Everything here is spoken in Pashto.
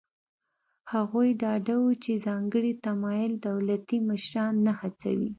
هغوی ډاډه وو چې ځانګړی تمایل دولتي مشران نه هڅوي.